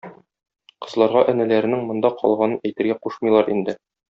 Кызларга энеләренең монда калганын әйтергә кушмыйлар инде.